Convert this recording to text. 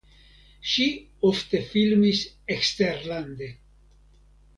Ŝi ofte filmis eksterlande.